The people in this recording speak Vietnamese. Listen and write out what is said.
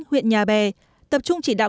huyện nhà bè tập trung chỉ đạo